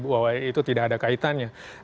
bahwa itu tidak ada kaitannya